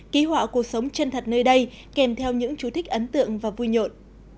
ký họa cuộc sống chân thật nơi đây kèm theo những chú thích ấn tượng và vui nhộn